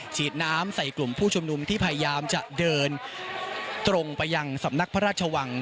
ฉีดน้ำใส่กลุ่มผู้ชุมนุมที่พยายามจะเดินตรงไปยังสำนักพระราชวัง